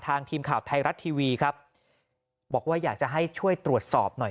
ทีมข่าวไทยรัฐทีวีครับบอกว่าอยากจะให้ช่วยตรวจสอบหน่อย